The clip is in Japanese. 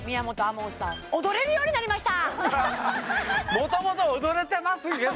もともと踊れてますけど！